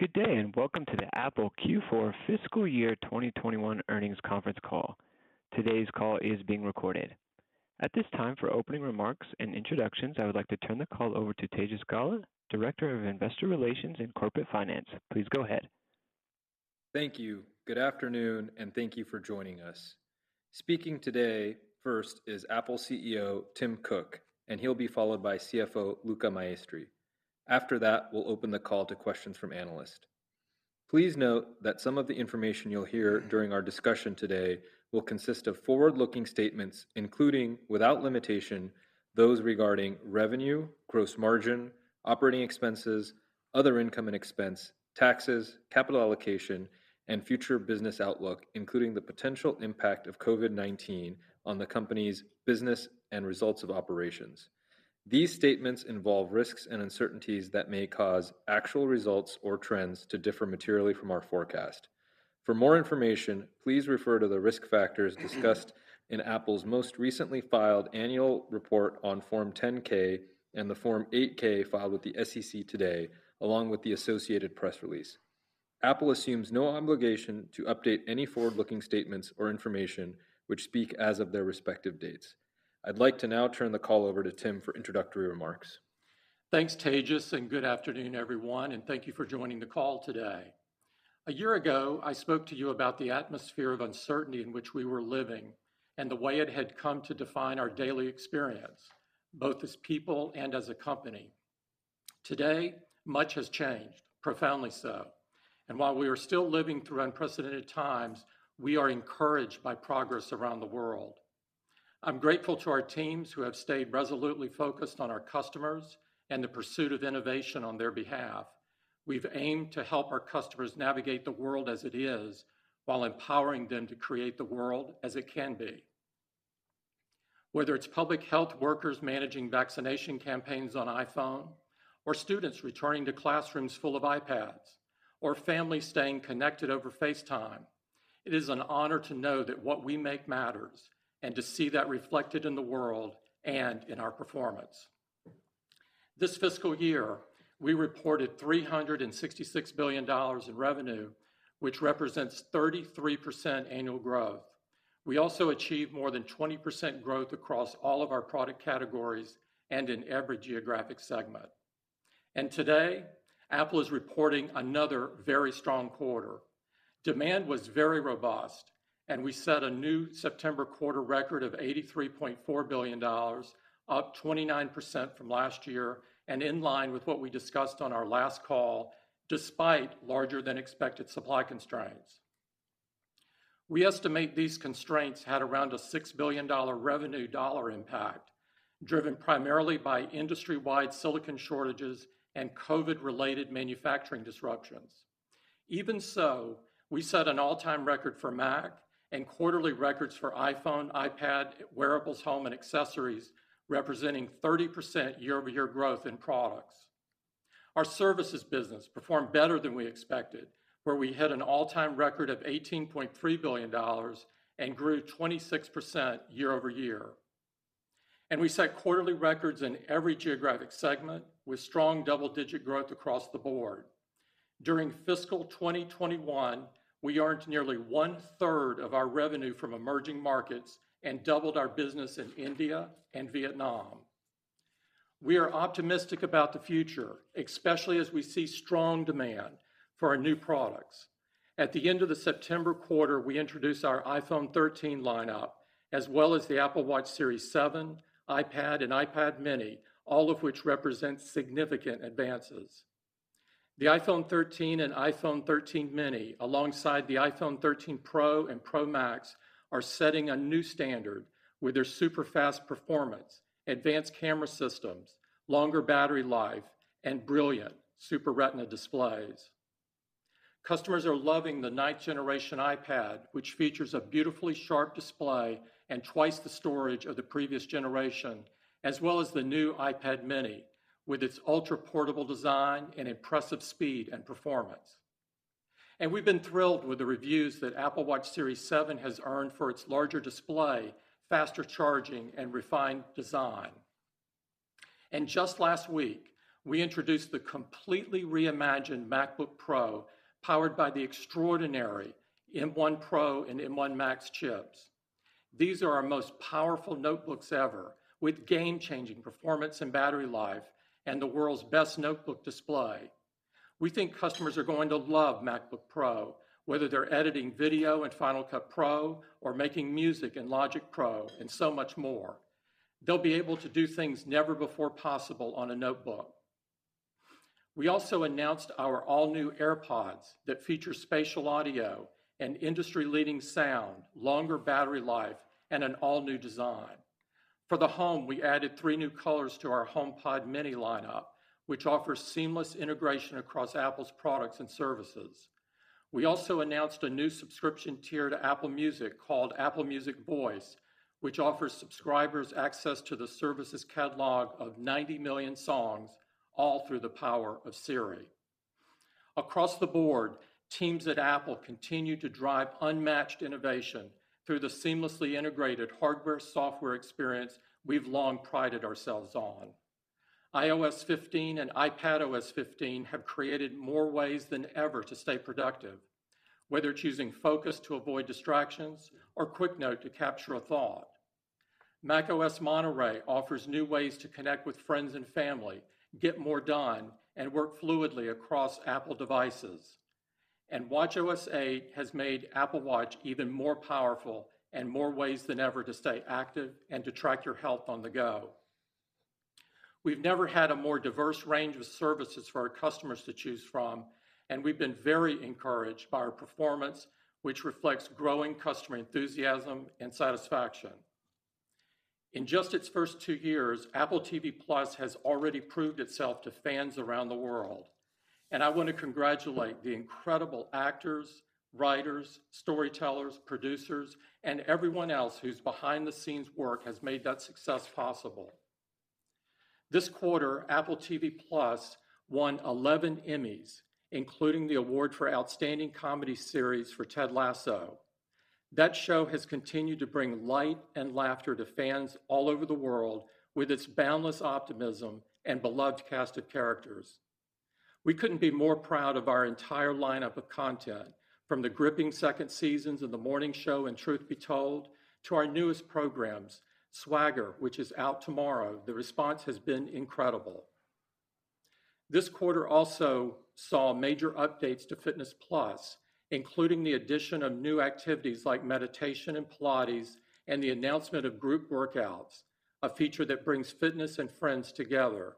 Good day, and welcome to the Apple Q4 Fiscal Year 2021 Earnings Conference Call. Today's call is being recorded. At this time, for opening remarks and introductions, I would like to turn the call over to Tejas Gala, Director of Investor Relations and Corporate Finance. Please go ahead. Thank you. Good afternoon, and thank you for joining us. Speaking today first is Apple CEO Tim Cook, and he'll be followed by CFO Luca Maestri. After that, we'll open the call to questions from analysts. Please note that some of the information you'll hear during our discussion today will consist of forward-looking statements, including, without limitation, those regarding revenue, gross margin, operating expenses, other income and expense, taxes, capital allocation, and future business outlook, including the potential impact of COVID-19 on the company's business and results of operations. These statements involve risks and uncertainties that may cause actual results or trends to differ materially from our forecast. For more information, please refer to the risk factors discussed in Apple's most recently filed annual report on Form 10-K and the Form 8-K filed with the SEC today, along with the associated press release. Apple assumes no obligation to update any forward-looking statements or information which speak as of their respective dates. I'd like to now turn the call over to Tim for introductory remarks. Thanks, Tejas, and good afternoon, everyone, and thank you for joining the call today. A year ago, I spoke to you about the atmosphere of uncertainty in which we were living and the way it had come to define our daily experience, both as people and as a company. Today, much has changed, profoundly so. While we are still living through unprecedented times, we are encouraged by progress around the world. I'm grateful to our teams who have stayed resolutely focused on our customers and the pursuit of innovation on their behalf. We've aimed to help our customers navigate the world as it is while empowering them to create the world as it can be. Whether it's public health workers managing vaccination campaigns on iPhone or students returning to classrooms full of iPads or families staying connected over FaceTime, it is an honor to know that what we make matters and to see that reflected in the world and in our performance. This fiscal year, we reported $366 billion in revenue, which represents 33% annual growth. We also achieved more than 20% growth across all of our product categories and in every geographic segment. Today, Apple is reporting another very strong quarter. Demand was very robust, and we set a new September quarter record of $83.4 billion, up 29% from last year and in line with what we discussed on our last call, despite larger than expected supply constraints. We estimate these constraints had around a $6 billion revenue dollar impact, driven primarily by industry-wide silicon shortages and COVID-related manufacturing disruptions. Even so, we set an all-time record for Mac and quarterly records for iPhone, iPad, Wearables, Home, and Accessories, representing 30% year-over-year growth in products. Our services business performed better than we expected, where we hit an all-time record of $18.3 billion and grew 26% year-over-year. We set quarterly records in every geographic segment with strong double-digit growth across the board. During fiscal 2021, we earned nearly 1/3 of our revenue from emerging markets and doubled our business in India and Vietnam. We are optimistic about the future, especially as we see strong demand for our new products. At the end of the September quarter, we introduced our iPhone 13 lineup, as well as the Apple Watch Series 7, iPad, and iPad mini, all of which represent significant advances. The iPhone 13 and iPhone 13 mini, alongside the iPhone 13 Pro and Pro Max, are setting a new standard with their super-fast performance, advanced camera systems, longer battery life, and brilliant Super Retina displays. Customers are loving the ninth-generation iPad, which features a beautifully sharp display and twice the storage of the previous generation, as well as the new iPad mini with its ultra-portable design and impressive speed and performance. We've been thrilled with the reviews that Apple Watch Series 7 has earned for its larger display, faster charging, and refined design. Just last week, we introduced the completely reimagined MacBook Pro, powered by the extraordinary M1 Pro and M1 Max chips. These are our most powerful notebooks ever, with game-changing performance and battery life and the world's best notebook display. We think customers are going to love MacBook Pro, whether they're editing video in Final Cut Pro or making music in Logic Pro and so much more. They'll be able to do things never before possible on a notebook. We also announced our all-new AirPods that feature spatial audio and industry-leading sound, longer battery life, and an all-new design. For the home, we added three new colors to our HomePod mini lineup, which offers seamless integration across Apple's products and services. We also announced a new subscription tier to Apple Music called Apple Music Voice, which offers subscribers access to the service's catalog of 90 million songs, all through the power of Siri. Across the board, teams at Apple continue to drive unmatched innovation through the seamlessly integrated hardware, software experience we've long prided ourselves on. iOS 15 and iPadOS 15 have created more ways than ever to stay productive, whether choosing Focus to avoid distractions or Quick Note to capture a thought. macOS Monterey offers new ways to connect with friends and family, get more done, and work fluidly across Apple devices. watchOS 8 has made Apple Watch even more powerful and more ways than ever to stay active and to track your health on the go. We've never had a more diverse range of services for our customers to choose from, and we've been very encouraged by our performance, which reflects growing customer enthusiasm and satisfaction. In just its first two years, Apple TV+ has already proved itself to fans around the world, and I want to congratulate the incredible actors, writers, storytellers, producers, and everyone else whose behind-the-scenes work has made that success possible. This quarter, Apple TV+ won 11 Emmys, including the award for Outstanding Comedy Series for Ted Lasso. That show has continued to bring light and laughter to fans all over the world with its boundless optimism and beloved cast of characters. We couldn't be more proud of our entire lineup of content, from the gripping second seasons of The Morning Show and Truth Be Told, to our newest programs, Swagger, which is out tomorrow. The response has been incredible. This quarter also saw major updates to Fitness+, including the addition of new activities like meditation and Pilates, and the announcement of group workouts, a feature that brings fitness and friends together.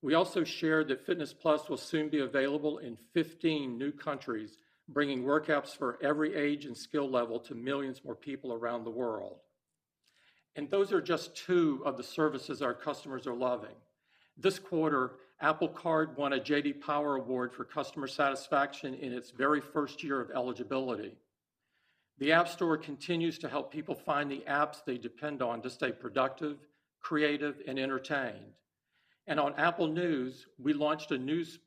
We also shared that Fitness+ will soon be available in 15 new countries, bringing workouts for every age and skill level to millions more people around the world. Those are just two of the services our customers are loving. This quarter, Apple Card won a J.D. Power Award for customer satisfaction in its very first year of eligibility. The App Store continues to help people find the apps they depend on to stay productive, creative, and entertained. On Apple News, we launched a news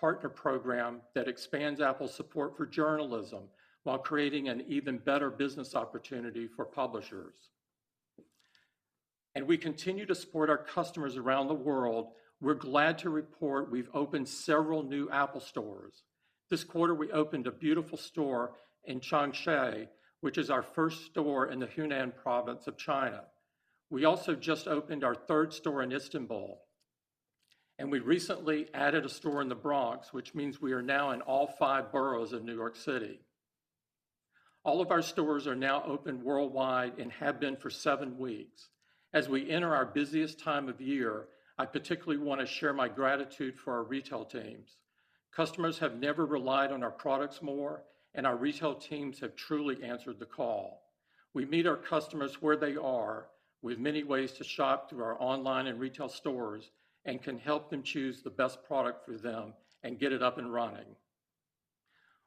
partner program that expands Apple support for journalism while creating an even better business opportunity for publishers. We continue to support our customers around the world. We're glad to report we've opened several new Apple Stores. This quarter, we opened a beautiful store in Changsha, which is our first store in the Hunan province of China. We also just opened our third store in Istanbul, and we recently added a store in the Bronx, which means we are now in all five boroughs of New York City. All of our stores are now open worldwide and have been for seven weeks. As we enter our busiest time of year, I particularly want to share my gratitude for our retail teams. Customers have never relied on our products more, and our retail teams have truly answered the call. We meet our customers where they are with many ways to shop through our online and retail stores and can help them choose the best product for them and get it up and running.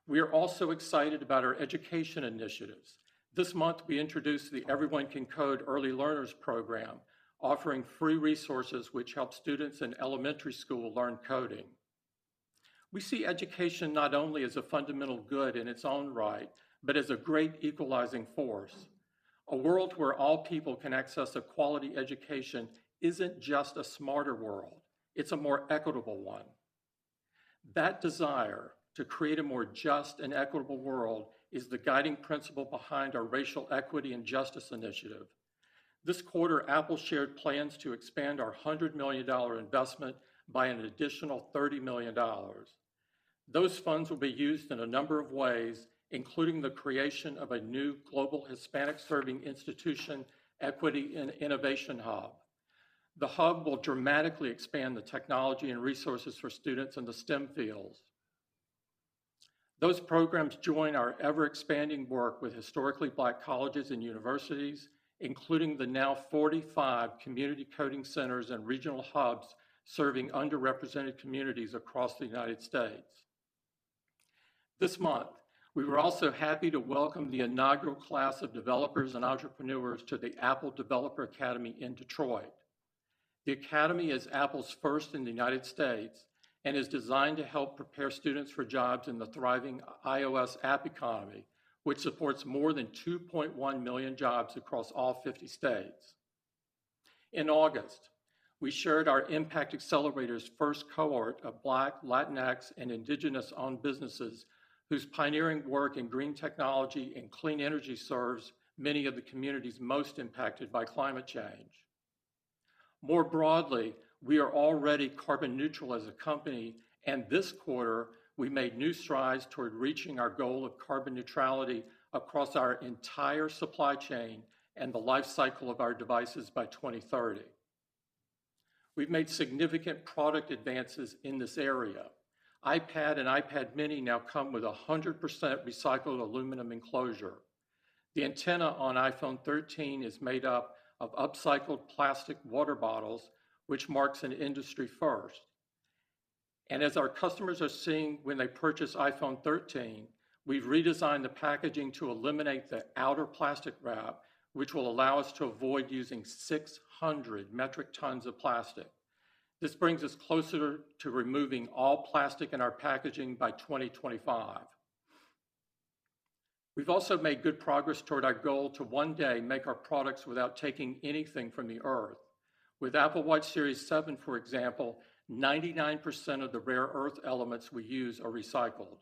We are also excited about our education initiatives. This month, we introduced the Everyone Can Code Early Learners program, offering free resources which help students in elementary school learn coding. We see education not only as a fundamental good in its own right, but as a great equalizing force. A world where all people can access a quality education isn't just a smarter world, it's a more equitable one. That desire to create a more just and equitable world is the guiding principle behind our racial equity and justice initiative. This quarter, Apple shared plans to expand our $100 million investment by an additional $30 million. Those funds will be used in a number of ways, including the creation of a new Global Hispanic Serving Institution Equity and Innovation Hub. The hub will dramatically expand the technology and resources for students in the STEM fields. Those programs join our ever-expanding work with historically black colleges and universities, including the now 45 community coding centers and regional hubs serving underrepresented communities across the United States. This month, we were also happy to welcome the inaugural class of developers and entrepreneurs to the Apple Developer Academy in Detroit. The academy is Apple's first in the United States and is designed to help prepare students for jobs in the thriving iOS app economy, which supports more than 2.1 million jobs across all 50 states. In August, we shared our Impact Accelerator's first cohort of Black, Latinx, and Indigenous-owned businesses whose pioneering work in green technology and clean energy serves many of the communities most impacted by climate change. More broadly, we are already carbon neutral as a company, and this quarter, we made new strides toward reaching our goal of carbon neutrality across our entire supply chain and the life cycle of our devices by 2030. We've made significant product advances in this area. iPad and iPad mini now come with 100% recycled aluminum enclosure. The antenna on iPhone 13 is made up of upcycled plastic water bottles, which marks an industry first. As our customers are seeing when they purchase iPhone 13, we've redesigned the packaging to eliminate the outer plastic wrap, which will allow us to avoid using 600 metric tons of plastic. This brings us closer to removing all plastic in our packaging by 2025. We've also made good progress toward our goal to one day make our products without taking anything from the Earth. With Apple Watch Series 7, for example, 99% of the rare earth elements we use are recycled.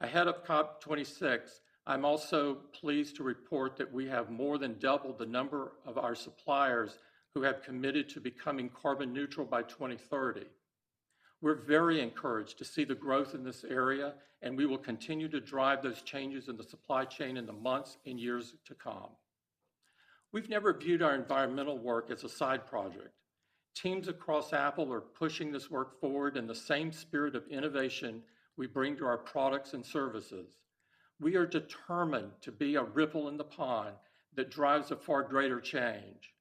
Ahead of COP26, I'm also pleased to report that we have more than doubled the number of our suppliers who have committed to becoming carbon neutral by 2030. We're very encouraged to see the growth in this area, and we will continue to drive those changes in the supply chain in the months and years to come. We've never viewed our environmental work as a side project. Teams across Apple are pushing this work forward in the same spirit of innovation we bring to our products and services. We are determined to be a ripple in the pond that drives a far greater change.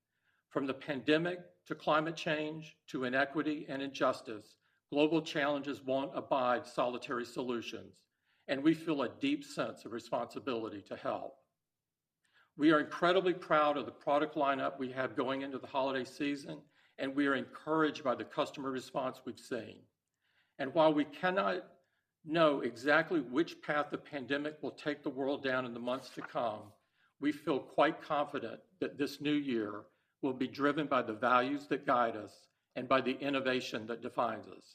From the pandemic to climate change to inequity and injustice, global challenges won't abide solitary solutions, and we feel a deep sense of responsibility to help. We are incredibly proud of the product lineup we have going into the holiday season, and we are encouraged by the customer response we've seen. While we cannot know exactly which path the pandemic will take the world down in the months to come, we feel quite confident that this new year will be driven by the values that guide us and by the innovation that defines us.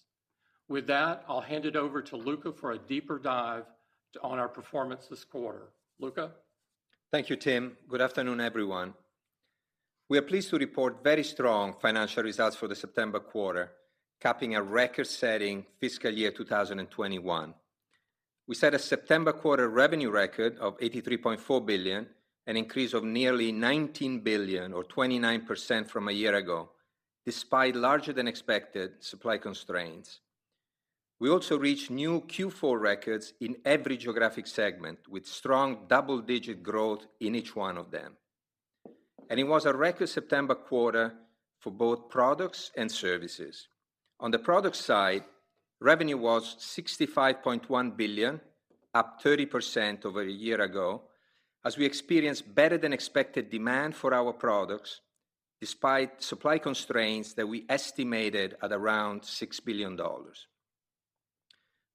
With that, I'll hand it over to Luca for a deeper dive on our performance this quarter. Luca. Thank you, Tim. Good afternoon, everyone. We are pleased to report very strong financial results for the September quarter, capping a record-setting fiscal year 2021. We set a September quarter revenue record of $83.4 billion, an increase of nearly $19 billion or 29% from a year ago, despite larger than expected supply constraints. We also reached new Q4 records in every geographic segment with strong double-digit growth in each one of them. It was a record September quarter for both products and services. On the product side, revenue was $65.1 billion, up 30% over a year ago, as we experienced better than expected demand for our products despite supply constraints that we estimated at around $6 billion.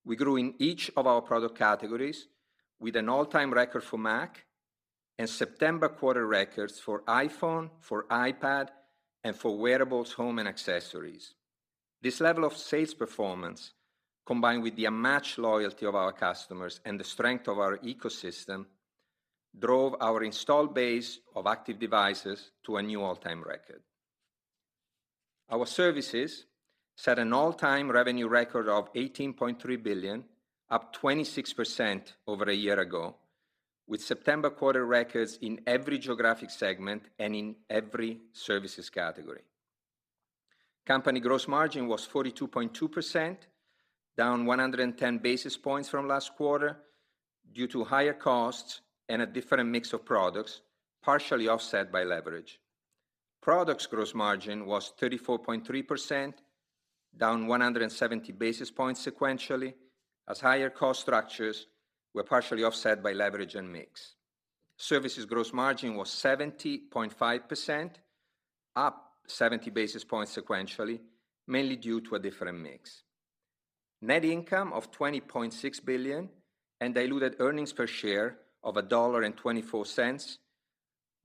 We grew in each of our product categories with an all-time record for Mac and September quarter records for iPhone, for iPad, and for Wearables, Home and Accessories. This level of sales performance, combined with the unmatched loyalty of our customers and the strength of our ecosystem, drove our installed base of active devices to a new all-time record. Our services set an all-time revenue record of $18.3 billion, up 26% over a year ago, with September quarter records in every geographic segment and in every services category. Company gross margin was 42.2%, down 110 basis points from last quarter due to higher costs and a different mix of products, partially offset by leverage. Products gross margin was 34.3%, down 170 basis points sequentially, as higher cost structures were partially offset by leverage and mix. Services gross margin was 70.5%, up 70 basis points sequentially, mainly due to a different mix. Net income of $20.6 billion and diluted earnings per share of $1.24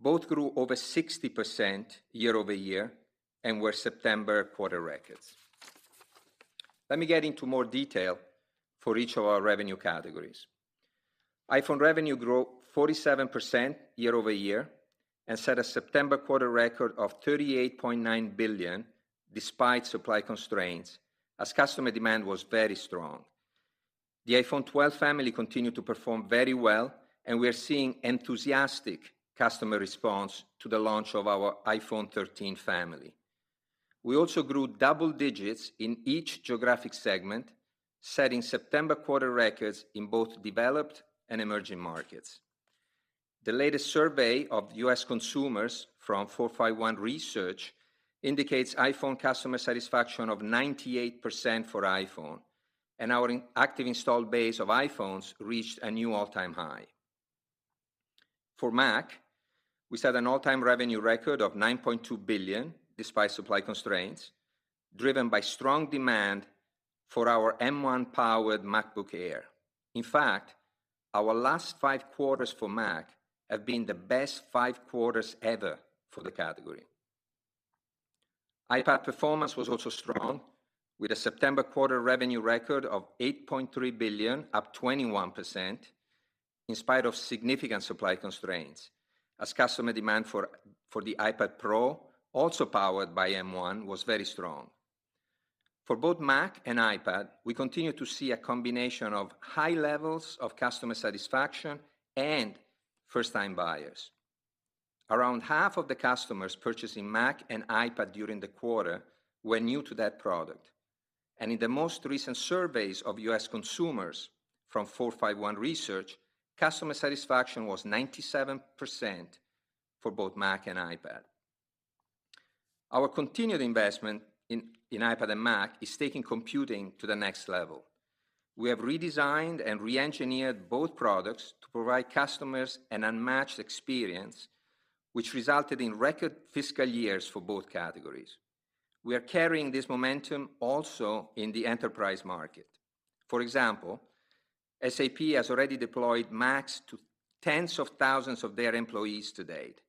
both grew over 60% year-over-year and were September quarter records. Let me get into more detail for each of our revenue categories. iPhone revenue grew 47% year-over-year and set a September quarter record of $38.9 billion despite supply constraints as customer demand was very strong. The iPhone 12 family continued to perform very well, and we are seeing enthusiastic customer response to the launch of our iPhone 13 family. We also grew double digits in each geographic segment, setting September quarter records in both developed and emerging markets. The latest survey of U.S. consumers from 451 Research indicates iPhone customer satisfaction of 98% for iPhone, and our active installed base of iPhones reached a new all-time high. For Mac, we set an all-time revenue record of $9.2 billion despite supply constraints, driven by strong demand for our M1-powered MacBook Air. In fact, our last five quarters for Mac have been the best five quarters ever for the category. iPad performance was also strong, with a September quarter revenue record of $8.3 billion, up 21%, in spite of significant supply constraints, as customer demand for the iPad Pro, also powered by M1, was very strong. For both Mac and iPad, we continue to see a combination of high levels of customer satisfaction and first-time buyers. Around half of the customers purchasing Mac and iPad during the quarter were new to that product. In the most recent surveys of U.S. consumers from 451 Research, customer satisfaction was 97% for both Mac and iPad. Our continued investment in iPad and Mac is taking computing to the next level. We have redesigned and re-engineered both products to provide customers an unmatched experience which resulted in record fiscal years for both categories. We are carrying this momentum also in the enterprise market. For example, SAP has already deployed Macs to tens of thousands of their employees to date.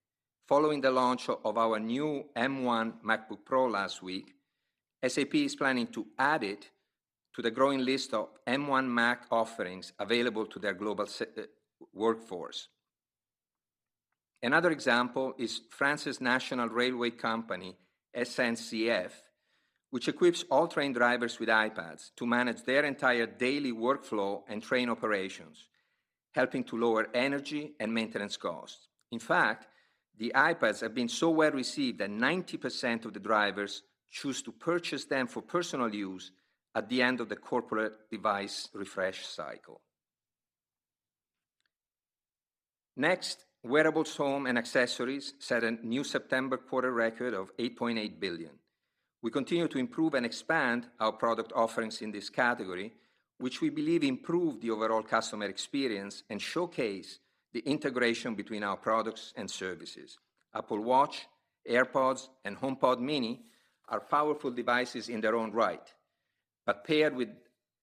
Following the launch of our new M1 MacBook Pro last week, SAP is planning to add it to the growing list of M1 Mac offerings available to their global workforce. Another example is France's national railway company, SNCF, which equips all train drivers with iPads to manage their entire daily workflow and train operations, helping to lower energy and maintenance costs. In fact, the iPads have been so well received that 90% of the drivers choose to purchase them for personal use at the end of the corporate device refresh cycle. Next, Wearables, Home, and Accessories set a new September quarter record of $8.8 billion. We continue to improve and expand our product offerings in this category, which we believe improve the overall customer experience and showcase the integration between our products and services. Apple Watch, AirPods, and HomePod mini are powerful devices in their own right, but paired with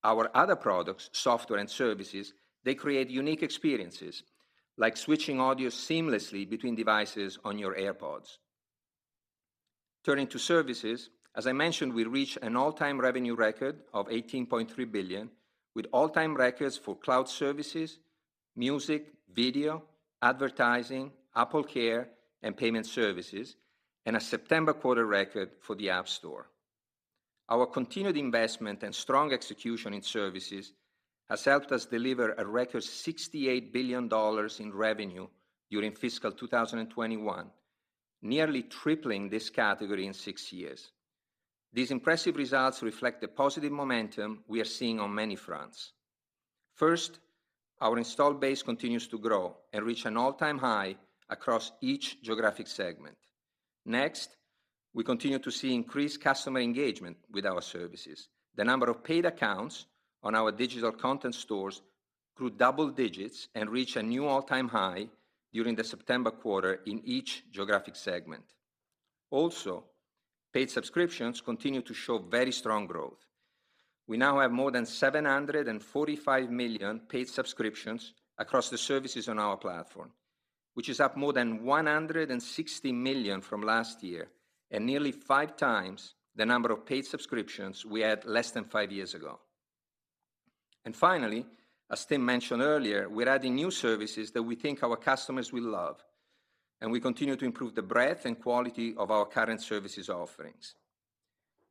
our other products, software, and services, they create unique experiences, like switching audio seamlessly between devices on your AirPods. Turning to services, as I mentioned, we reached an all-time revenue record of $18.3 billion with all-time records for cloud services, music, video, advertising, AppleCare, and payment services, and a September quarter record for the App Store. Our continued investment and strong execution in services has helped us deliver a record $68 billion in revenue during fiscal 2021, nearly tripling this category in six years. These impressive results reflect the positive momentum we are seeing on many fronts. First, our installed base continues to grow and reach an all-time high across each geographic segment. Next, we continue to see increased customer engagement with our services. The number of paid accounts on our digital content stores grew double digits and reached a new all-time high during the September quarter in each geographic segment. Also, paid subscriptions continue to show very strong growth. We now have more than 745 million paid subscriptions across the services on our platform, which is up more than 160 million from last year and nearly 5x the number of paid subscriptions we had less than five years ago. Finally, as Tim mentioned earlier, we're adding new services that we think our customers will love, and we continue to improve the breadth and quality of our current services offerings.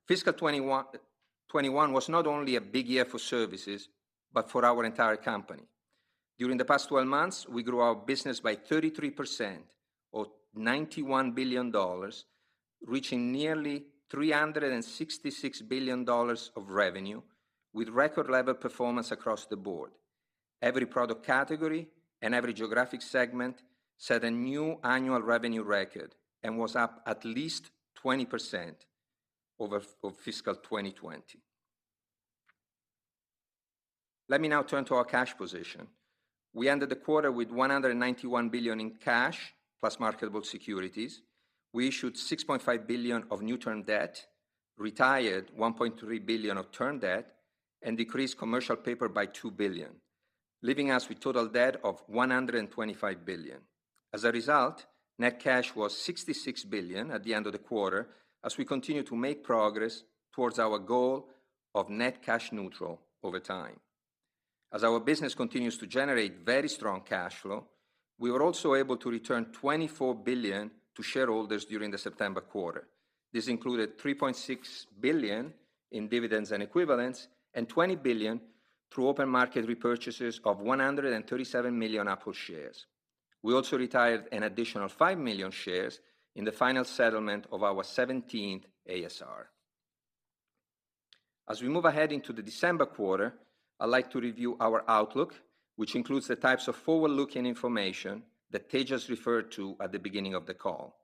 Fiscal 2021 was not only a big year for services, but for our entire company. During the past 12 months, we grew our business by 33% or $91 billion, reaching nearly $366 billion of revenue, with record level performance across the board. Every product category and every geographic segment set a new annual revenue record and was up at least 20% over fiscal 2020. Let me now turn to our cash position. We ended the quarter with $191 billion in cash plus marketable securities. We issued $6.5 billion of new term debt, retired $1.3 billion of term debt, and decreased commercial paper by $2 billion, leaving us with total debt of $125 billion. As a result, net cash was $66 billion at the end of the quarter as we continue to make progress towards our goal of net cash neutral over time. As our business continues to generate very strong cash flow, we were also able to return $24 billion to shareholders during the September quarter. This included $3.6 billion in dividends and equivalents and $20 billion through open market repurchases of 137 million Apple shares. We also retired an additional 5 million shares in the final settlement of our seventeenth ASR. As we move ahead into the December quarter, I'd like to review our outlook, which includes the types of forward-looking information that Tejas referred to at the beginning of the call.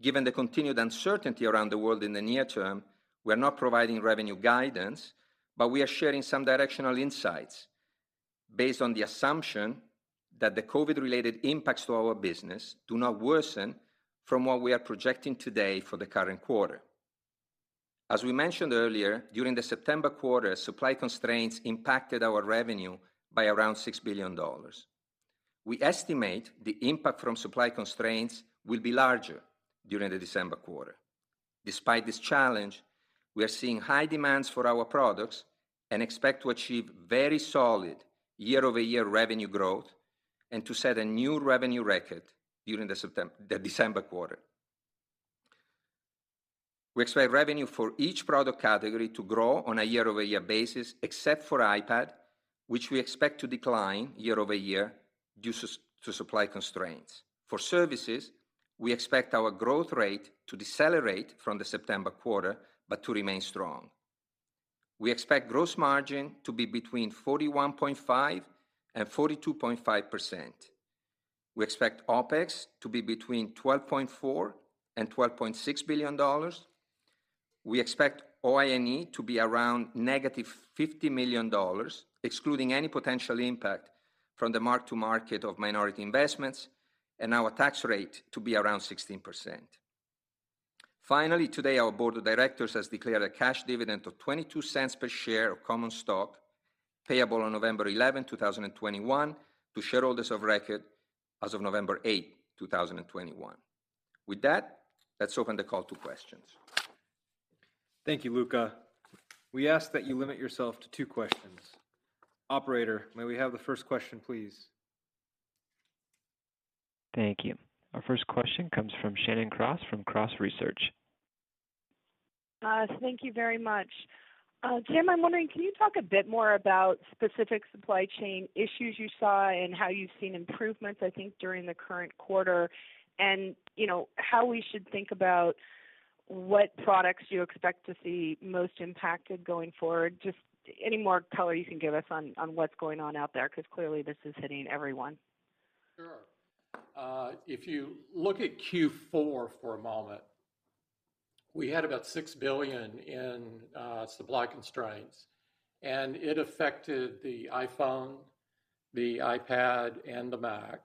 Given the continued uncertainty around the world in the near term, we're not providing revenue guidance, but we are sharing some directional insights based on the assumption that the COVID-related impacts to our business do not worsen from what we are projecting today for the current quarter. As we mentioned earlier, during the September quarter, supply constraints impacted our revenue by around $6 billion. We estimate the impact from supply constraints will be larger during the December quarter. Despite this challenge, we are seeing high demands for our products and expect to achieve very solid year-over-year revenue growth and to set a new revenue record during the December quarter. We expect revenue for each product category to grow on a year-over-year basis, except for iPad, which we expect to decline year-over-year due to supply constraints. For services, we expect our growth rate to decelerate from the September quarter but to remain strong. We expect gross margin to be between 41.5% and 42.5%. We expect OpEx to be between $12.4 billion and $12.6 billion. We expect OI&E to be around negative $50 million, excluding any potential impact from the mark to market of minority investments, and our tax rate to be around 16%. Finally, today, our board of directors has declared a cash dividend of $0.22 per share of common stock payable on November 11, 2021 to shareholders of record as of November 8, 2021. With that, let's open the call to questions. Thank you, Luca. We ask that you limit yourself to two questions. Operator, may we have the first question, please? Thank you. Our first question comes from Shannon Cross from Cross Research. Thank you very much. Tim, I'm wondering, can you talk a bit more about specific supply chain issues you saw and how you've seen improvements, I think, during the current quarter? You know, how we should think about what products you expect to see most impacted going forward. Just any more color you can give us on what's going on out there, 'cause clearly this is hitting everyone. Sure. If you look at Q4 for a moment, we had about $6 billion in supply constraints, and it affected the iPhone, the iPad, and the Mac.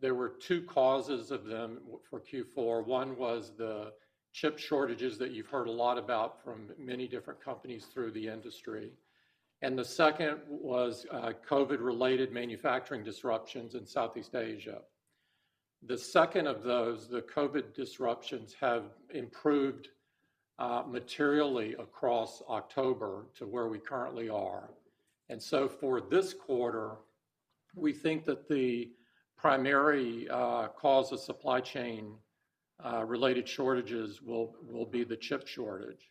There were two causes of them for Q4. One was the chip shortages that you've heard a lot about from many different companies through the industry. The second was COVID-related manufacturing disruptions in Southeast Asia. The second of those, the COVID disruptions, have improved materially across October to where we currently are. For this quarter, we think that the primary cause of supply chain related shortages will be the chip shortage.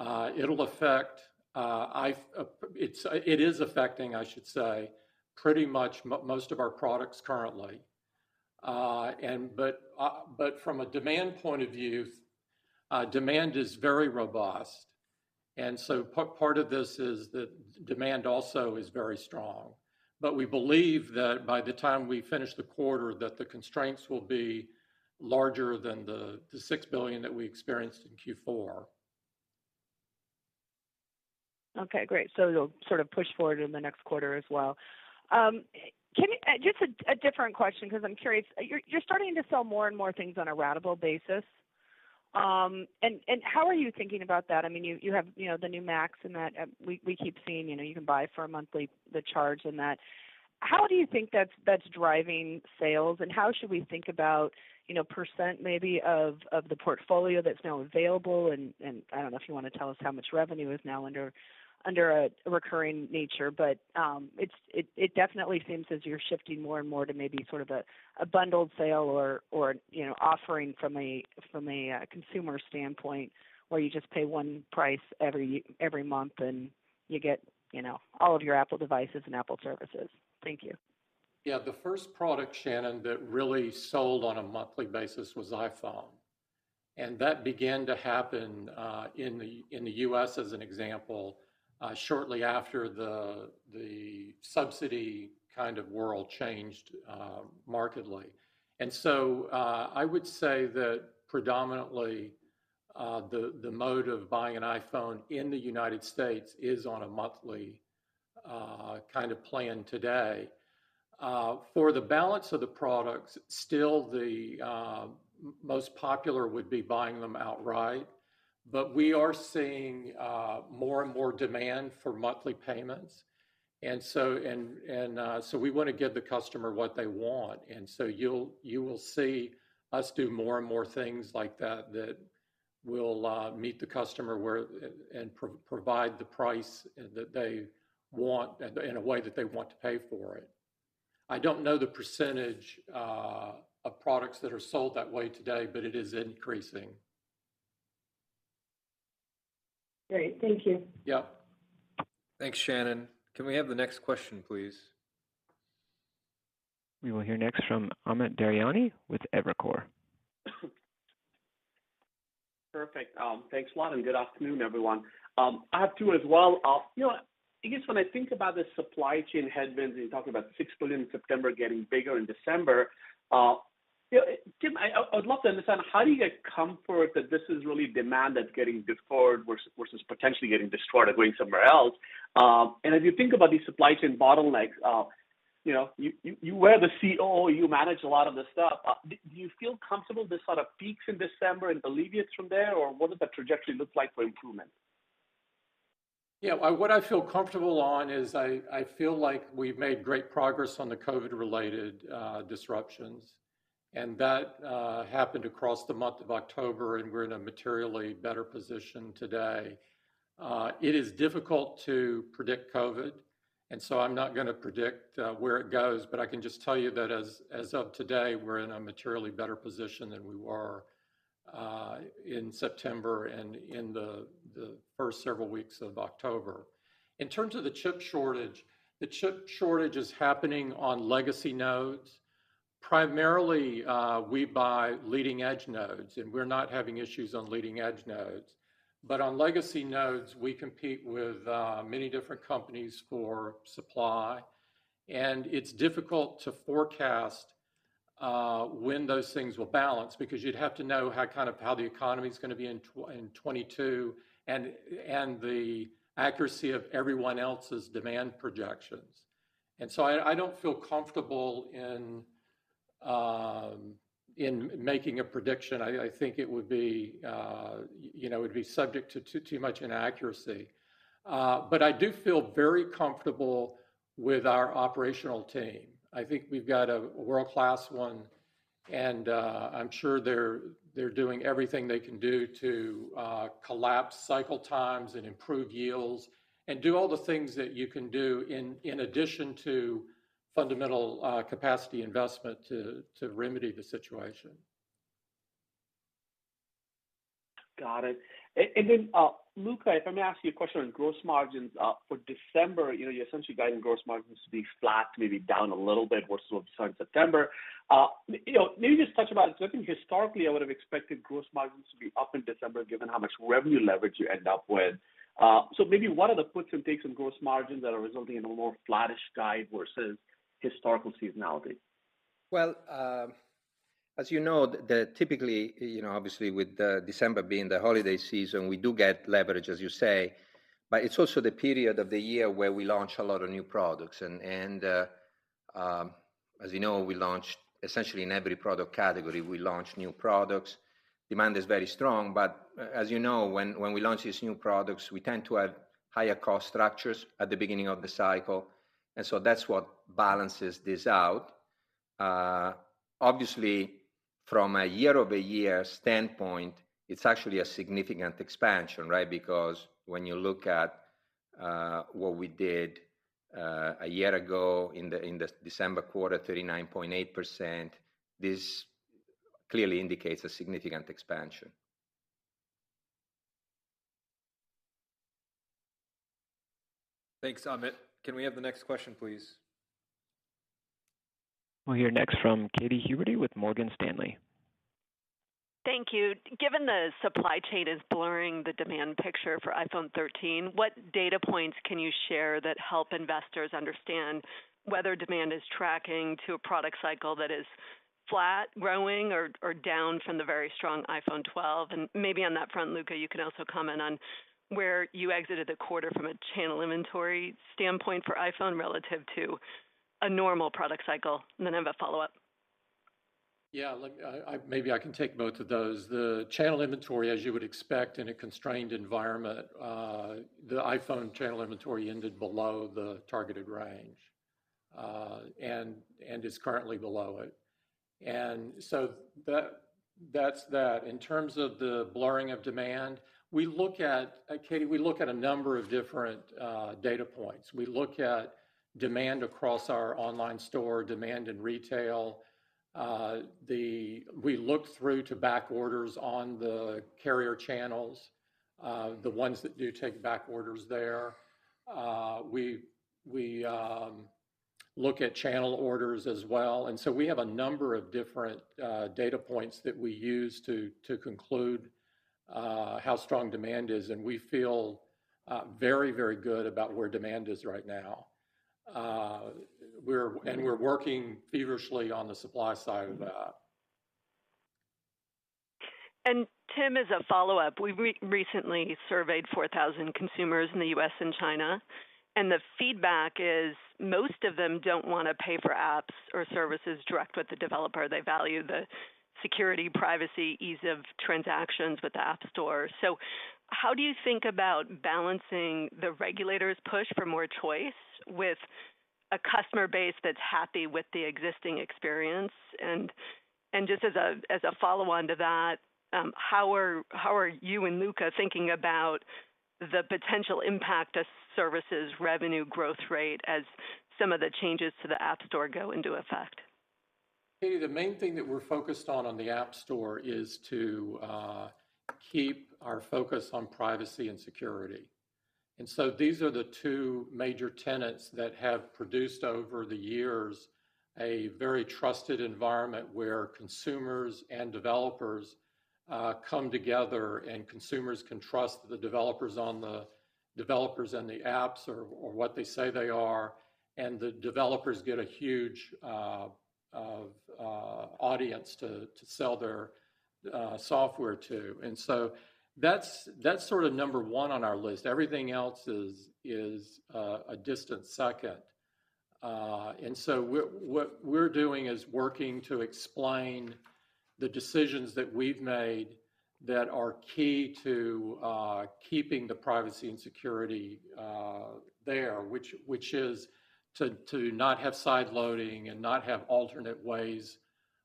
It is affecting, I should say, pretty much most of our products currently. But from a demand point of view, demand is very robust. Part of this is that demand also is very strong. We believe that by the time we finish the quarter, that the constraints will be larger than the $6 billion that we experienced in Q4. Okay, great. It'll sort of push forward in the next quarter as well. Just a different question because I'm curious. You're starting to sell more and more things on a ratable basis. How are you thinking about that? I mean, you have, you know, the new Macs and that. We keep seeing, you know, you can buy for a monthly charge and that. How do you think that's driving sales, and how should we think about, you know, percent maybe of the portfolio that's now available, and I don't know if you wanna tell us how much revenue is now under a recurring nature. It definitely seems as you're shifting more and more to maybe sort of a bundled sale or, you know, offering from a consumer standpoint, where you just pay one price every month and you get, you know, all of your Apple devices and Apple services. Thank you. The first product, Shannon, that really sold on a monthly basis was iPhone, and that began to happen in the U.S., as an example, shortly after the subsidy kind of world changed markedly. I would say that predominantly the mode of buying an iPhone in the United States is on a monthly kind of plan today. For the balance of the products, still the most popular would be buying them outright. We are seeing more and more demand for monthly payments. We want to give the customer what they want. You will see us do more and more things like that that will meet the customer where and provide the price that they want and in a way that they want to pay for it. I don't know the percentage of products that are sold that way today, but it is increasing. Great. Thank you. Yep. Thanks, Shannon. Can we have the next question, please? We will hear next from Amit Daryanani with Evercore. Perfect. Thanks a lot, and good afternoon, everyone. I have two as well. You know, I guess when I think about the supply chain headwinds, and you talked about the $6 billion in September getting bigger in December, you know, Tim, I would love to understand how do you get comfort that this is really demand that's getting deferred versus potentially getting destroyed or going somewhere else? As you think about these supply chain bottlenecks, you know, you were the CEO, you manage a lot of this stuff. Do you feel comfortable this sort of peaks in December and alleviates from there, or what does that trajectory look like for improvement? What I feel comfortable on is I feel like we've made great progress on the COVID-related disruptions. That happened across the month of October, and we're in a materially better position today. It is difficult to predict COVID, and so I'm not gonna predict where it goes, but I can just tell you that as of today, we're in a materially better position than we were in September and in the first several weeks of October. In terms of the chip shortage, the chip shortage is happening on legacy nodes. Primarily, we buy leading-edge nodes and we're not having issues on leading-edge nodes. On legacy nodes, we compete with many different companies for supply, and it's difficult to forecast when those things will balance because you'd have to know how kind of how the economy is gonna be in 2022 and the accuracy of everyone else's demand projections. I don't feel comfortable in making a prediction. I think it would be, you know, it would be subject to too much inaccuracy. But I do feel very comfortable with our operational team. I think we've got a world-class one, and I'm sure they're doing everything they can do to collapse cycle times and improve yields and do all the things that you can do in addition to fundamental capacity investment to remedy the situation. Got it. Luca, if I may ask you a question on gross margins for December, you know, you essentially guiding gross margins to be flat, maybe down a little bit versus September. You know, maybe just talk about it, because I think historically I would have expected gross margins to be up in December given how much revenue leverage you end up with. Maybe what are the puts and takes in gross margins that are resulting in a more flattish guide versus historical seasonality? Well, as you know, typically, you know, obviously with December being the holiday season, we do get leverage, as you say, but it's also the period of the year where we launch a lot of new products. As you know, we launch essentially in every product category, we launch new products. Demand is very strong, but as you know, when we launch these new products, we tend to have higher cost structures at the beginning of the cycle. That's what balances this out. Obviously from a year-over-year standpoint, it's actually a significant expansion, right? Because when you look at what we did a year ago in the December quarter, 39.8%, this clearly indicates a significant expansion. Thanks, Amit. Can we have the next question, please? We'll hear next from Katy Huberty with Morgan Stanley. Thank you. Given the supply chain is blurring the demand picture for iPhone 13, what data points can you share that help investors understand whether demand is tracking to a product cycle that is flat, growing, or down from the very strong iPhone 12? Maybe on that front, Luca, you can also comment on where you exited the quarter from a channel inventory standpoint for iPhone relative to a normal product cycle. I have a follow-up. Maybe I can take both of those. The channel inventory, as you would expect in a constrained environment, the iPhone channel inventory ended below the targeted range, and is currently below it. That's that. In terms of the blurring of demand, we look at Katy, we look at a number of different data points. We look at demand across our online store, demand in retail, we look through to back orders on the carrier channels, the ones that do take back orders there. We look at channel orders as well. We have a number of different data points that we use to conclude how strong demand is, and we feel very good about where demand is right now. We're working feverishly on the supply side of that. Tim, as a follow-up, we recently surveyed 4,000 consumers in the U.S. and China, and the feedback is most of them don't wanna pay for apps or services directly with the developer. They value the security, privacy, ease of transactions with the App Store. How do you think about balancing the regulators' push for more choice with a customer base that's happy with the existing experience? Just as a follow-on to that, how are you and Luca thinking about the potential impact of services revenue growth rate as some of the changes to the App Store go into effect? Katy, the main thing that we're focused on the App Store is to keep our focus on privacy and security. These are the two major tenets that have produced over the years a very trusted environment where consumers and developers come together and consumers can trust the developers and the apps or what they say they are, and the developers get a huge audience to sell their software to. That's sort of number one on our list. Everything else is a distant second. What we're doing is working to explain the decisions that we've made that are key to keeping the privacy and security there, which is to not have sideloading and not have alternate ways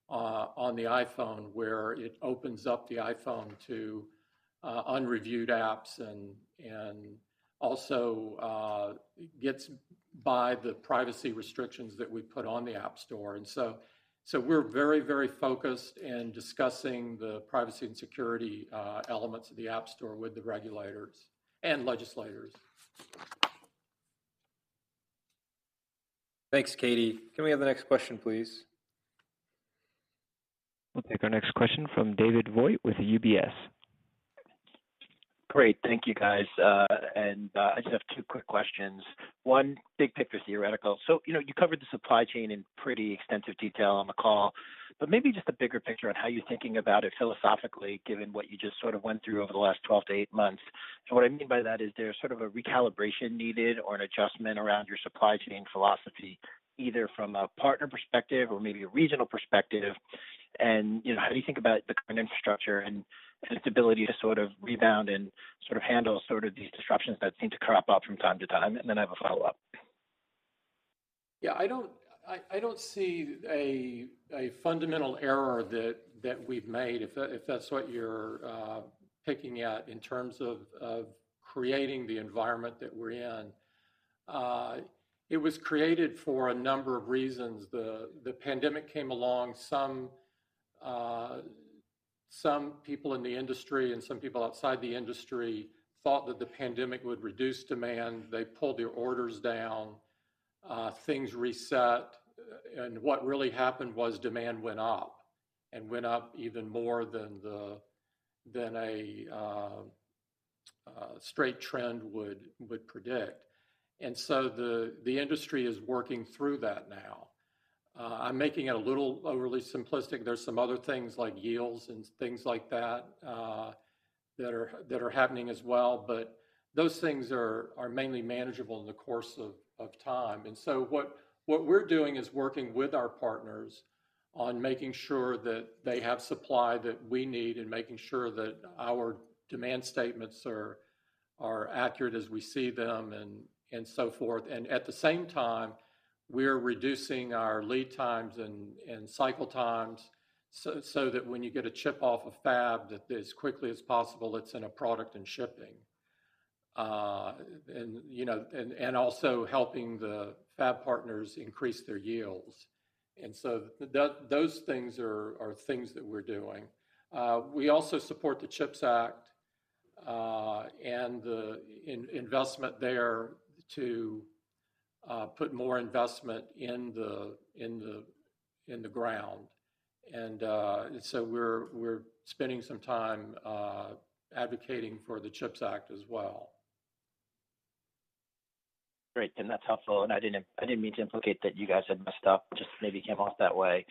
on the iPhone where it opens up the iPhone to unreviewed apps and also gets by the privacy restrictions that we put on the App Store. We're very focused on discussing the privacy and security elements of the App Store with the regulators and legislators. Thanks, Katy. Can we have the next question, please? We'll take our next question from David Vogt with UBS. Great. Thank you, guys. I just have two quick questions. One, big picture theoretical. You know, you covered the supply chain in pretty extensive detail on the call, but maybe just the bigger picture on how you're thinking about it philosophically, given what you just sort of went through over the last 12 to eight months. What I mean by that is there sort of a recalibration needed or an adjustment around your supply chain philosophy, either from a partner perspective or maybe a regional perspective? You know, how do you think about the current infrastructure and its ability to sort of rebound and sort of handle sort of these disruptions that seem to crop up from time to time? Then I have a follow-up. Yeah, I don't see a fundamental error that we've made, if that's what you're picking at in terms of creating the environment that we're in. It was created for a number of reasons. The pandemic came along. Some people in the industry and some people outside the industry thought that the pandemic would reduce demand. They pulled their orders down, things reset. What really happened was demand went up, and went up even more than a straight trend would predict. The industry is working through that now. I'm making it a little overly simplistic. There's some other things like yields and things like that that are happening as well, but those things are mainly manageable in the course of time. What we're doing is working with our partners on making sure that they have supply that we need and making sure that our demand statements are accurate as we see them and so forth. At the same time, we're reducing our lead times and cycle times so that when you get a chip off a fab, that as quickly as possible, it's in a product and shipping, you know, also helping the fab partners increase their yields. Those things are things that we're doing. We also support the CHIPS Act and the investment there to put more investment in the ground. We're spending some time advocating for the CHIPS Act as well. Great. That's helpful. I didn't mean to implicate that you guys had messed up, just maybe came off that way.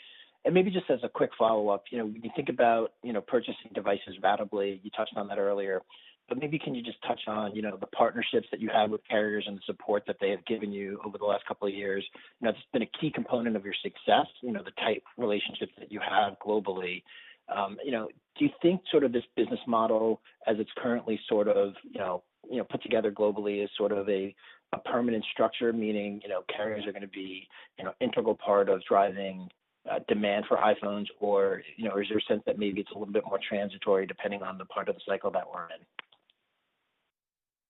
Maybe just as a quick follow-up, you know, when you think about, you know, purchasing devices ratably, you touched on that earlier, but maybe can you just touch on, you know, the partnerships that you have with carriers and the support that they have given you over the last couple of years. You know, it's been a key component of your success, you know, the type of relationships that you have globally. You know, do you think sort of this business model as it's currently sort of, you know, put together globally is sort of a permanent structure, meaning, you know, carriers are gonna be, you know, integral part of driving, demand for iPhones or, you know, or is there a sense that maybe it's a little bit more transitory depending on the part of the cycle that we're in?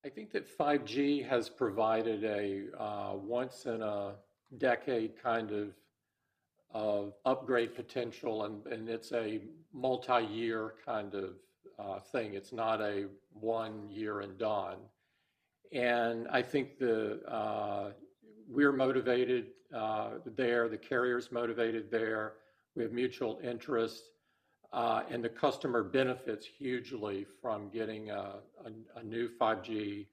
I think that 5G has provided a once in a decade kind of upgrade potential and it's a multi-year kind of thing. It's not a one year and done. I think they're motivated there, the carriers are motivated there. We have mutual interest and the customer benefits hugely from getting a new 5G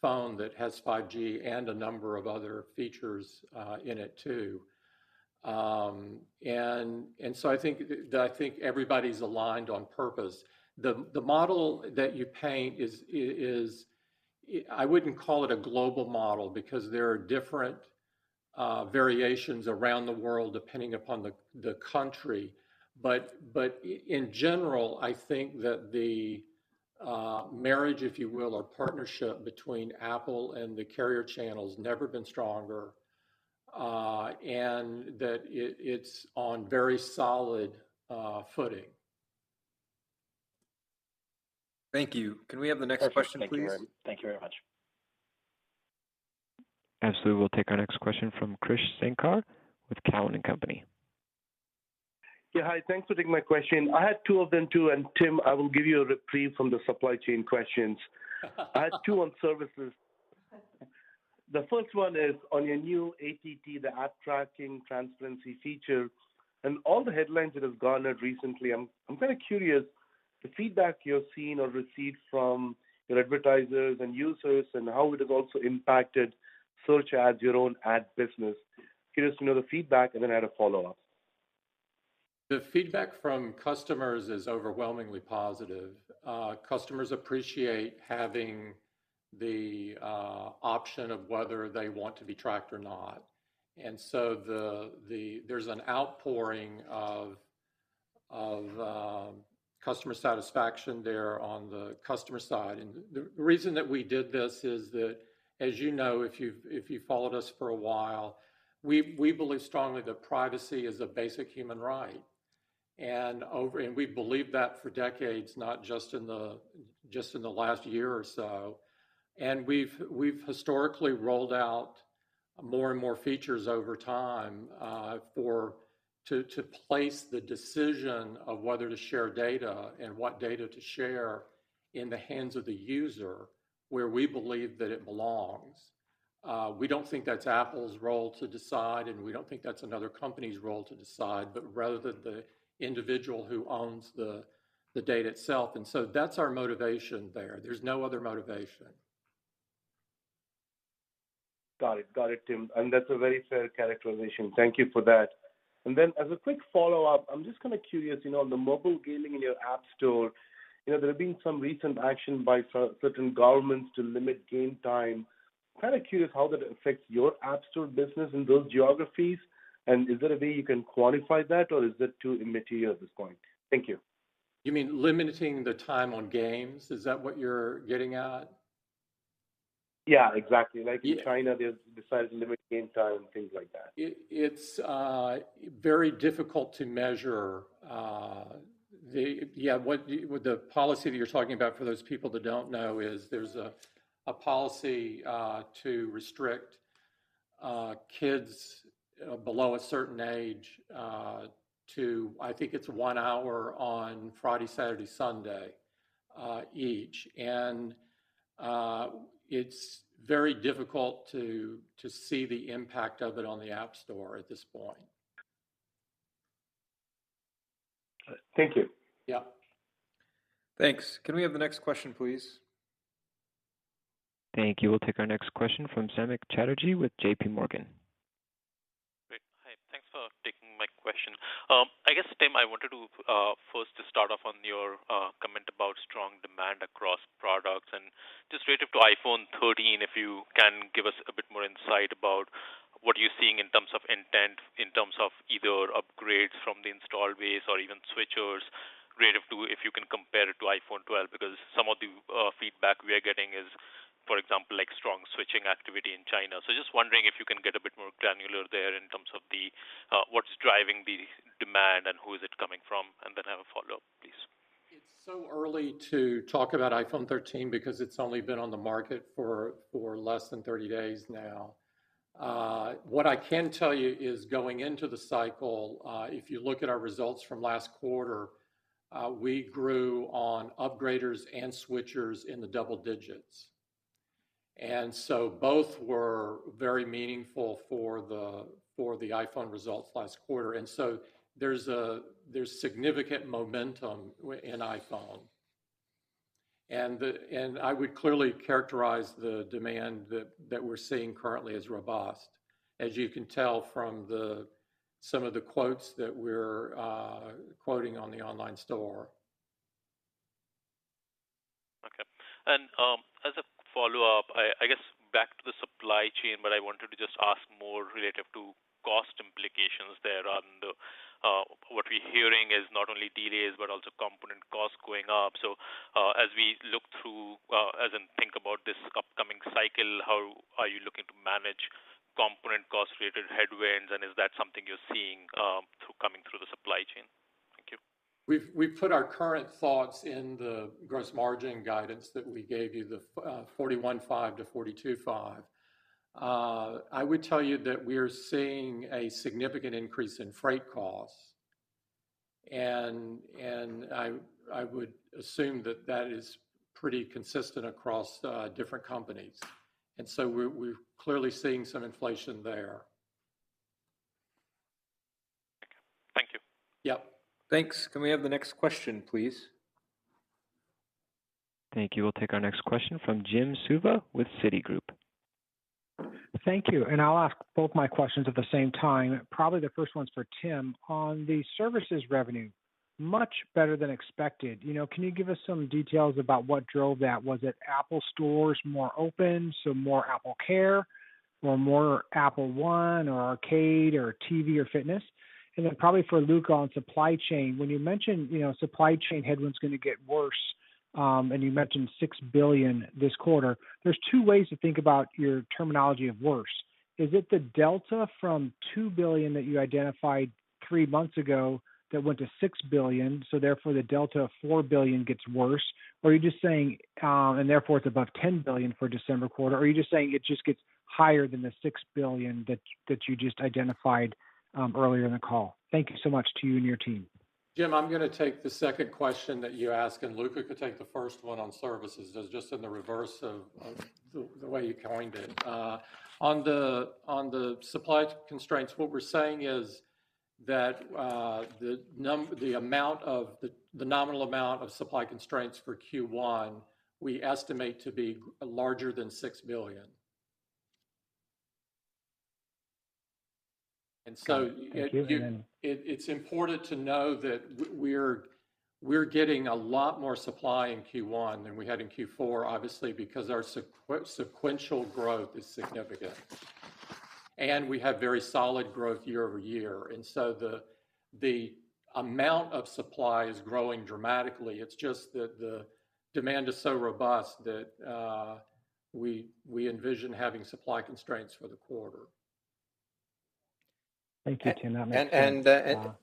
phone that has 5G and a number of other features in it too. I think everybody's aligned on purpose. The model that you paint is. I wouldn't call it a global model because there are different variations around the world depending upon the country, but in general, I think that the marriage, if you will, or partnership between Apple and the carrier channel's never been stronger, and that it's on very solid footing. Thank you. Can we have the next question, please? Thank you very much. Yes, we will take our next question from Krish Sankar with Cowen and Company. Yeah. Hi. Thanks for taking my question. I had two of them too, and Tim, I will give you a reprieve from the supply chain questions. I have two on services. The first one is on your new ATT, the App Tracking Transparency feature, and all the headlines it has garnered recently. I'm kind of curious about the feedback you're seeing or received from your advertisers and users and how it has also impacted search ads, your own ad business. Curious to know the feedback, and then I had a follow-up. The feedback from customers is overwhelmingly positive. Customers appreciate having the option of whether they want to be tracked or not. There's an outpouring of customer satisfaction there on the customer side. The reason that we did this is that, as you know, if you've followed us for a while, we believe strongly that privacy is a basic human right. We believe that for decades, not just in the last year or so. We've historically rolled out more and more features over time to place the decision of whether to share data and what data to share in the hands of the user, where we believe that it belongs. We don't think that's Apple's role to decide, and we don't think that's another company's role to decide, but rather the individual who owns the data itself. That's our motivation there. There's no other motivation. Got it, Tim. That's a very fair characterization. Thank you for that. As a quick follow-up, I'm just kinda curious, you know, the mobile gaming in your App Store. You know, there have been some recent actions by certain governments to limit game time. Kinda curious how that affects your App Store business in those geographies, and is there a way you can quantify that, or is that too immaterial at this point? Thank you. You mean limiting the time on games? Is that what you're getting at? Yeah, exactly. Yeah. Like in China, they've decided to limit game time, things like that. It's very difficult to measure. The policy that you're talking about, for those people that don't know, is there's a policy to restrict kids below a certain age to, I think it's one hour on Friday, Saturday, Sunday, each. It's very difficult to see the impact of it on the App Store at this point. Thank you. Yeah. Thanks. Can we have the next question, please? Thank you. We'll take our next question from Samik Chatterjee with JPMorgan. Great. Hi. Thanks for taking my question. I guess, Tim, I wanted to first to start off on your comment about strong demand across products and just relative to iPhone 13, if you can give us a bit more insight about what you're seeing in terms of intent, in terms of either upgrades from the install base or even switchers, relative to if you can compare it to iPhone 12 because some of the feedback we are getting is, for example, like strong switching activity in China. Just wondering if you can get a bit more granular there in terms of the what's driving the demand, and who is it coming from? I have a follow-up, please. It's so early to talk about iPhone 13 because it's only been on the market for less than 30 days now. What I can tell you is going into the cycle, if you look at our results from last quarter, we grew on upgraders and switchers in the double digits. Both were very meaningful for the iPhone results last quarter. There's significant momentum in iPhone. I would clearly characterize the demand that we're seeing currently as robust, as you can tell from some of the quotes that we're quoting on the online store. Okay. As a follow-up, I guess back to the supply chain, but I wanted to just ask more relative to cost implications there on the what we're hearing is not only delays, but also component costs going up. As we look through, as we think about this upcoming cycle, how are you looking to manage component cost-related headwinds, and is that something you're seeing coming through the supply chain? Thank you. We've put our current thoughts in the gross margin guidance that we gave you, 41.5%-42.5%. I would tell you that we are seeing a significant increase in freight costs, and I would assume that is pretty consistent across different companies. We're clearly seeing some inflation there. Okay. Thank you. Yeah. Thanks. Can we have the next question, please? Thank you. We'll take our next question from Jim Suva with Citigroup. Thank you, and I'll ask both my questions at the same time. Probably the first one's for Tim. On the services revenue, much better than expected. You know, can you give us some details about what drove that? Was it Apple Stores more open, so more AppleCare, or more Apple One or Arcade or TV or Fitness? Probably for Luca on supply chain, when you mentioned, you know, supply chain headwinds going to get worse, and you mentioned $6 billion this quarter, there's two ways to think about your terminology of worse. Is it the delta from $2 billion that you identified three months ago that went to $6 billion, so therefore the delta of $4 billion gets worse? Are you just saying, and therefore it's above $10 billion for December quarter, or are you just saying it just gets higher than the $6 billion that you just identified, earlier in the call? Thank you so much to you and your team. Jim, I'm gonna take the second question that you asked, and Luca could take the first one on services. Just in the reverse of the way you coined it. On the supply constraints, what we're saying is that the nominal amount of supply constraints for Q1 we estimate to be larger than $6 billion. Given- It's important to know that we're getting a lot more supply in Q1 than we had in Q4, obviously, because our sequential growth is significant, and we have very solid growth year over year. The amount of supply is growing dramatically. It's just that the demand is so robust that we envision having supply constraints for the quarter. Thank you, Tim. That makes sense.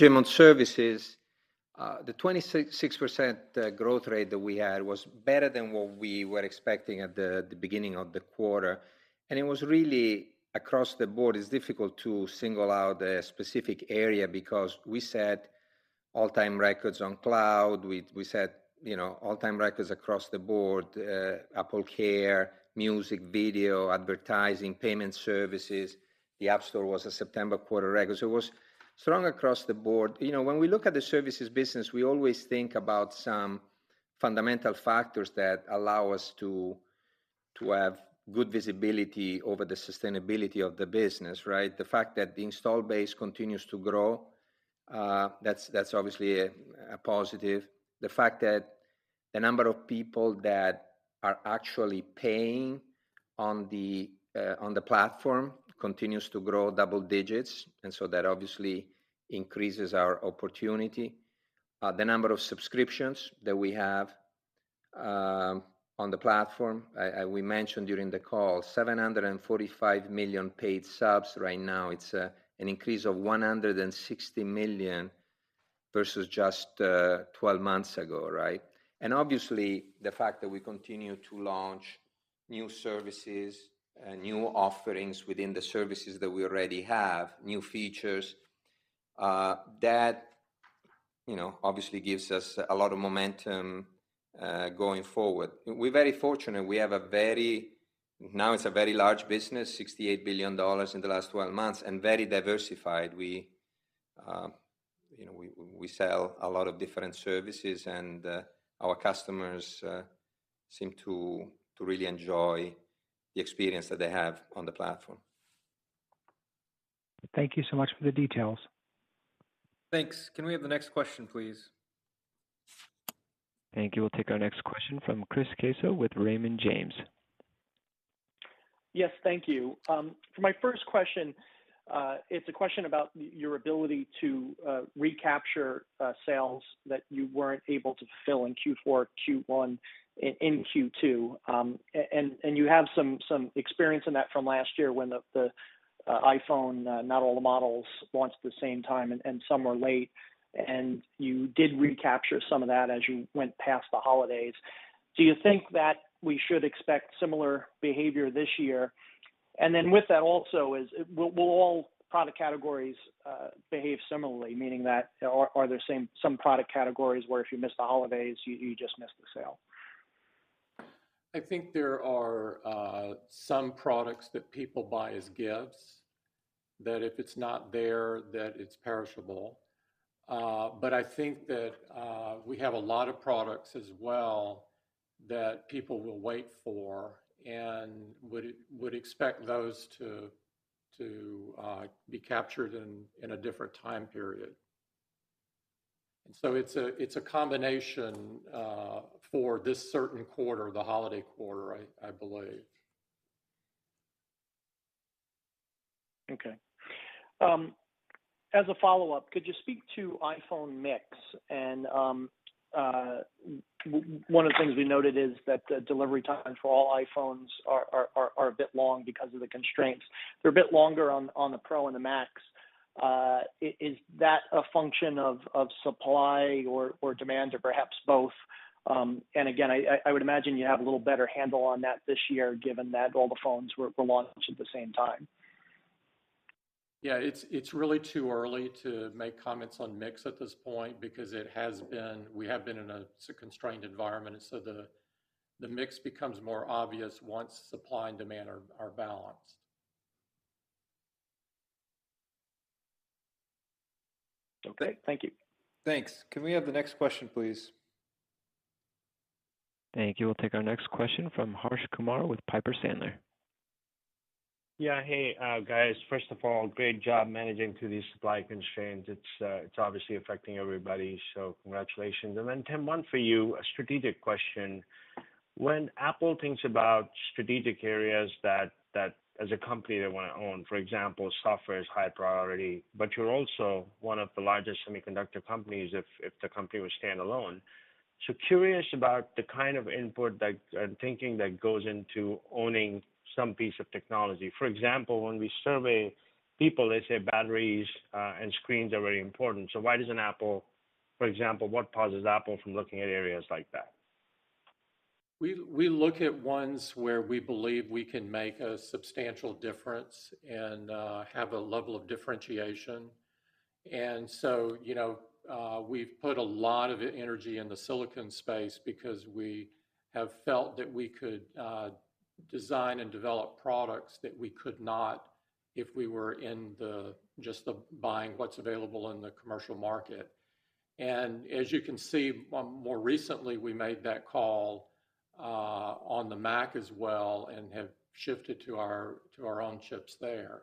Jim, on services, the 26% growth rate that we had was better than what we were expecting at the beginning of the quarter. It was really across the board. It's difficult to single out a specific area because we set all-time records on cloud. We set, you know, all-time records across the board, AppleCare, music, video, advertising, payment services. The App Store was a September quarter record, so it was strong across the board. You know, when we look at the services business, we always think about some fundamental factors that allow us to have good visibility over the sustainability of the business, right? The fact that the install base continues to grow, that's obviously a positive. The fact that the number of people that are actually paying on the on the platform continues to grow double digits, and so that obviously increases our opportunity. The number of subscriptions that we have on the platform we mentioned during the call, 745 million paid subs right now. It's an increase of 160 million versus just 12 months ago, right? Obviously, the fact that we continue to launch new services and new offerings within the services that we already have, new features that you know obviously gives us a lot of momentum going forward. We're very fortunate. Now it's a very large business, $68 billion in the last 12 months, and very diversified. We, you know, sell a lot of different services and our customers seem to really enjoy the experience that they have on the platform. Thank you so much for the details. Thanks. Can we have the next question, please? Thank you. We'll take our next question from Chris Caso with Raymond James. Yes, thank you. For my first question, it's a question about your ability to recapture sales that you weren't able to fill in Q4, Q1, in Q2. You have some experience in that from last year when the iPhone not all the models launched at the same time and some were late, and you did recapture some of that as you went past the holidays. Do you think that we should expect similar behavior this year? With that also is, will all product categories behave similarly, meaning that are there some product categories where if you miss the holidays, you just miss the sale? I think there are some products that people buy as gifts, that if it's not there, that it's perishable. But I think that we have a lot of products as well that people will wait for and would expect those to be captured in a different time period. So it's a combination for this certain quarter, the holiday quarter, I believe. Okay. As a follow-up, could you speak to iPhone mix? One of the things we noted is that the delivery time for all iPhones are a bit long because of the constraints. They're a bit longer on the Pro and the Max. Is that a function of supply or demand, or perhaps both? Again, I would imagine you have a little better handle on that this year given that all the phones were launched at the same time. Yeah. It's really too early to make comments on mix at this point because we have been in a constrained environment, and so the mix becomes more obvious once supply and demand are balanced. Okay. Thank you. Thanks. Can we have the next question, please? Thank you. We'll take our next question from Harsh Kumar with Piper Sandler. Yeah. Hey, guys. First of all, great job managing through these supply constraints. It's obviously affecting everybody, so congratulations. Tim, one for you, a strategic question. When Apple thinks about strategic areas that as a company they wanna own, for example, software is high priority, but you're also one of the largest semiconductor companies if the company was standalone. Curious about the kind of input and thinking that goes into owning some piece of technology. For example, when we survey people, they say batteries and screens are very important. Why doesn't Apple, for example? What pauses Apple from looking at areas like that? We look at ones where we believe we can make a substantial difference and have a level of differentiation. You know, we've put a lot of energy in the silicon space because we have felt that we could design and develop products that we could not if we were in the just buying what's available in the commercial market. As you can see, more recently, we made that call on the Mac as well and have shifted to our own chips there.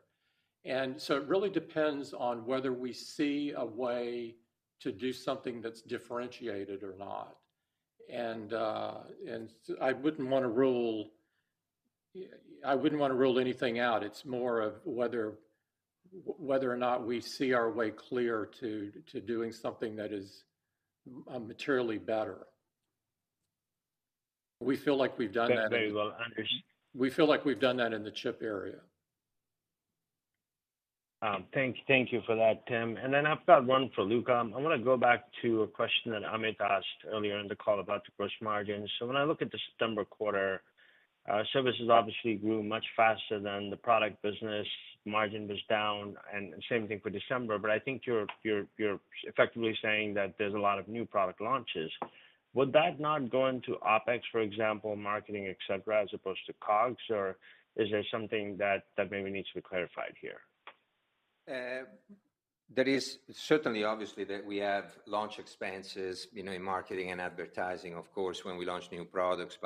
It really depends on whether we see a way to do something that's differentiated or not. I wouldn't wanna rule anything out. It's more of whether or not we see our way clear to doing something that is materially better. We feel like we've done that. That's very well. We feel like we've done that in the chip area. Thank you for that, Tim. Then I've got one for Luca. I wanna go back to a question that Amit asked earlier in the call about the gross margins. When I look at the September quarter, services obviously grew much faster than the product business. Margin was down, and same thing for December. I think you're effectively saying that there's a lot of new product launches. Would that not go into OpEx, for example, marketing, etc, as opposed to COGS? Or is there something that maybe needs to be clarified here? There is certainly obviously that we have launch expenses, you know, in marketing and advertising, of course, when we launch new products.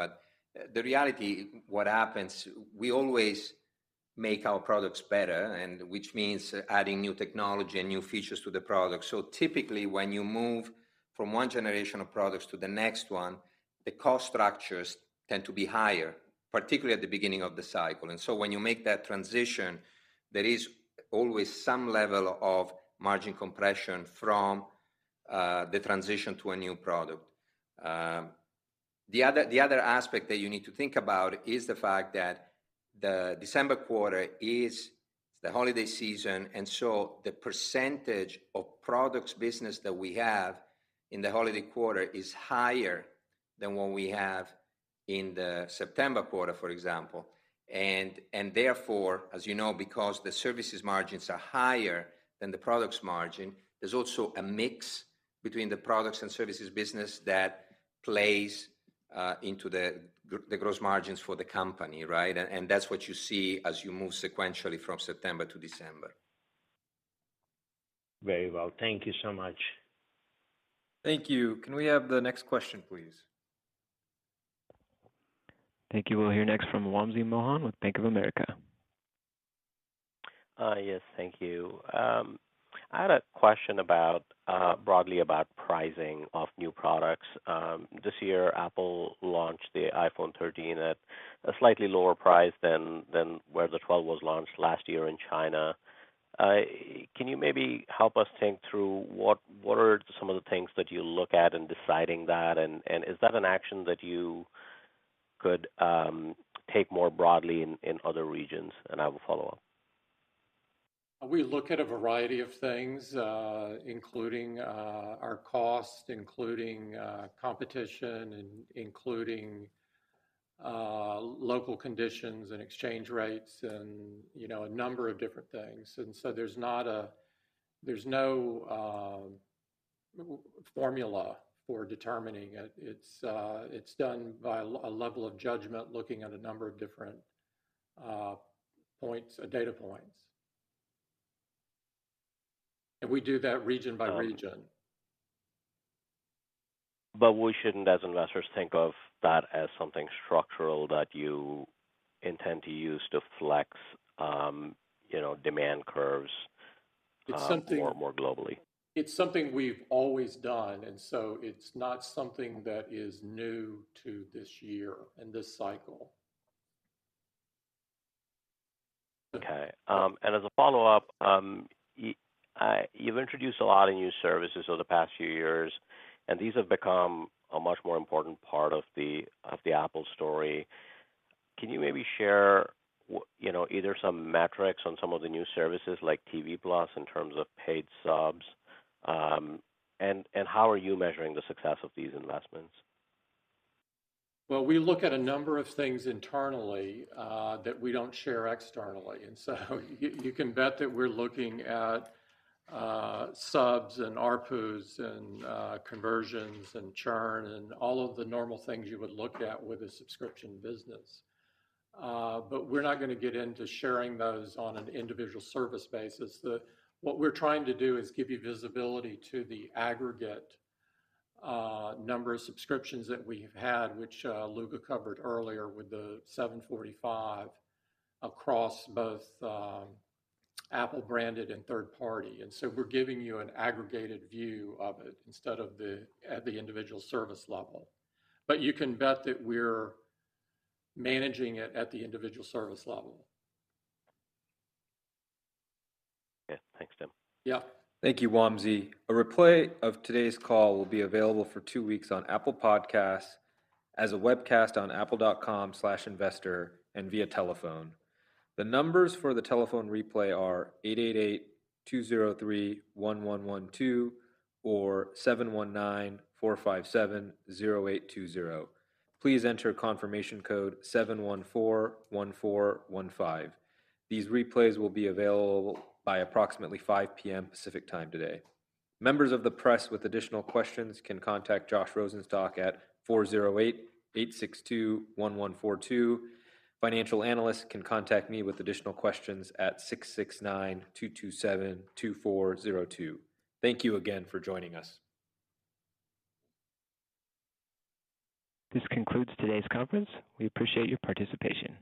The reality, what happens, we always make our products better and which means adding new technology and new features to the product. Typically, when you move from one generation of products to the next one, the cost structures tend to be higher, particularly at the beginning of the cycle. When you make that transition, there is always some level of margin compression from the transition to a new product. The other aspect that you need to think about is the fact that the December quarter is the holiday season, and so the percentage of products business that we have in the holiday quarter is higher than what we have in the September quarter, for example. Therefore, as you know, because the services margins are higher than the products margin, there's also a mix between the products and services business that plays into the gross margins for the company, right? That's what you see as you move sequentially from September to December. Very well. Thank you so much. Thank you. Can we have the next question, please? Thank you. We'll hear next from Wamsi Mohan with Bank of America. Yes, thank you. I had a question about broadly about pricing of new products. This year, Apple launched the iPhone 13 at a slightly lower price than where the iPhone 12 was launched last year in China. Can you maybe help us think through what are some of the things that you look at in deciding that? Is that an action that you could take more broadly in other regions? I will follow up. We look at a variety of things, including our cost, including competition, including local conditions and exchange rates and, you know, a number of different things. There's no formula for determining it. It's done by a level of judgment, looking at a number of different points, data points. We do that region by region. We shouldn't, as investors, think of that as something structural that you intend to use to flex, you know, demand curves. It's something- More globally. It's something we've always done, and so it's not something that is new to this year and this cycle. Okay. As a follow-up, you've introduced a lot of new services over the past few years, and these have become a much more important part of the Apple story. Can you maybe share, you know, either some metrics on some of the new services like TV+ in terms of paid subs? How are you measuring the success of these investments? Well, we look at a number of things internally that we don't share externally. You can bet that we're looking at subs and ARPUs and conversions and churn and all of the normal things you would look at with a subscription business. We're not gonna get into sharing those on an individual service basis. What we're trying to do is give you visibility to the aggregate number of subscriptions that we've had, which Luca covered earlier with the 745 million across both Apple-branded and third party. We're giving you an aggregated view of it instead of at the individual service level. You can bet that we're managing it at the individual service level. Yeah. Thanks, Tim. Yeah. Thank you, Wamsi. A replay of today's call will be available for two weeks on Apple Podcasts, as a webcast on apple.com/investor, and via telephone. The numbers for the telephone replay are 888-203-1112 or 719-457-0820. Please enter confirmation code 7141415. These replays will be available by approximately 5 P.M. Pacific Time today. Members of the press with additional questions can contact Josh Rosenstock at 408-862-1142. Financial analysts can contact me with additional questions at 669-227-2402. Thank you again for joining us. This concludes today's conference. We appreciate your participation.